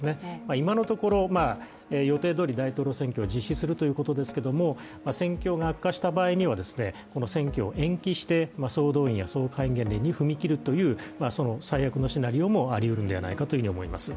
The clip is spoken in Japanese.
今のところ予定どおり大統領選挙は実施するということですが、戦況が悪化した場合には、この選挙を延期して総動員や総戒厳令という最悪のシナリオもありうるのではないかと思います。